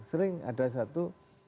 sering ada satu